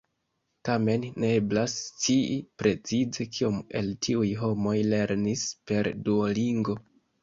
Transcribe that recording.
Tamen, ne eblas scii precize kiom el tiuj homoj lernis per Duolingo.